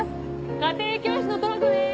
家庭教師のトラコです。